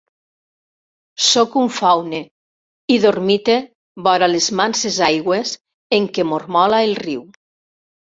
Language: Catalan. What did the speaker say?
Soc un faune i dormite vora les manses aigües en què mormola el riu.